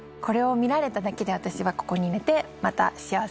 これを見られただけで私はここにいれてまた。